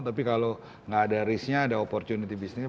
tapi kalau nggak ada risknya ada opportunity bisnis